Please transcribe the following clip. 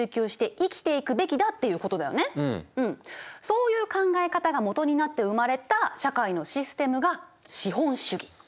そういう考え方が基になって生まれた社会のシステムが資本主義。